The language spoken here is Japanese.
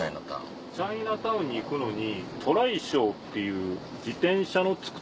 チャイナタウンに行くのに。